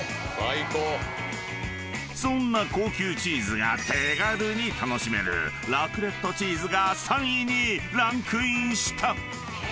［そんな高級チーズが手軽に楽しめるラクレットチーズが３位にランクインした］